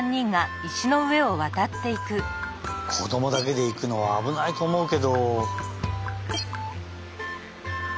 こどもだけでいくのはあぶないとおもうけど。